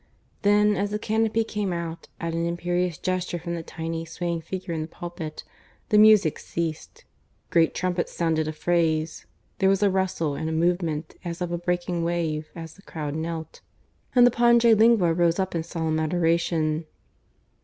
... Then, as the canopy came out, at an imperious gesture from the tiny swaying figure in the pulpit, the music ceased; great trumpets sounded a phrase; there was a rustle and a movement as of a breaking wave as the crowds knelt; and the Pange Lingua rose up in solemn adoration.